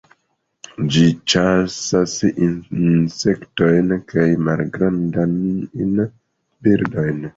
Ĝi ĉasas insektojn kaj malgrandajn birdojn.